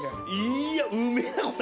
いやうめぇなこれ。